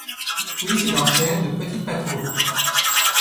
Puis il enchaine de petites patrouilles.